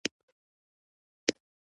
لمسی له کور سره ژور تړاو لري.